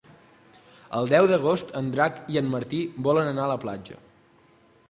El deu d'agost en Drac i en Martí volen anar a la platja.